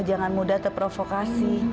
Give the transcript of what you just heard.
jangan mudah terprovokasi